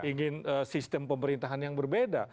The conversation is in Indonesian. ingin sistem pemerintahan yang berbeda